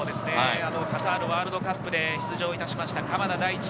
カタールワールドカップにも出場しました、鎌田大地。